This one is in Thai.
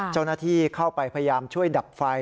เจ้าหน้าที่เข้าไปพยายามช่วยดับไฟ